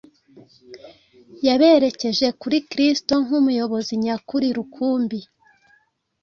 yaberekeje kuri Kristo nk’Umuyobozi nyakuri rukumbi.